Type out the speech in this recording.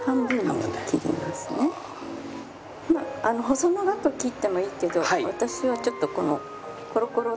細長く切ってもいいけど私はちょっとこのコロコロッと。